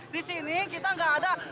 di sini kita nggak ada